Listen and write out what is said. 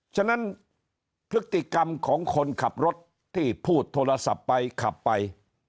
ฉะนั้นพฤติกรรมของคนขับรถที่พูดโทรศัพท์ไปขับไป